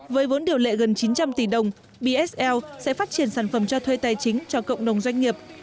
với vốn điều lệ gần chín trăm linh tỷ đồng bsl sẽ phát triển sản phẩm cho thuê tài chính cho cộng đồng doanh nghiệp